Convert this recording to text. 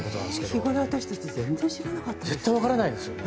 日ごろ、私たち全然知らなかったです。